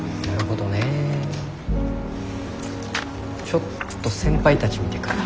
ちょっと先輩たち見てくるわ。